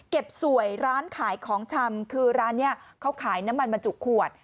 สวยร้านขายของชำคือร้านนี้เขาขายน้ำมันบรรจุขวด